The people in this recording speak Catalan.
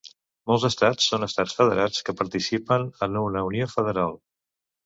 Molts estats són estats federats que participen en una unió federal.